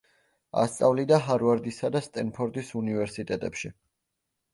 ასწავლიდა ჰარვარდისა და სტენფორდის უნივერსიტეტებში.